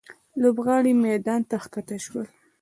لوبغاړي میدان ته ښکته شول.